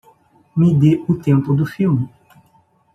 Me dê o tempo do filme